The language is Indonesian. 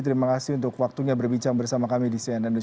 terima kasih untuk waktunya berbicara bersama kami di cnn newsia today